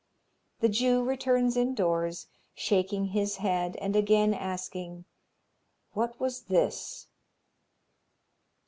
The Jew returns indoors, shaking his head and again asking, "What was this?"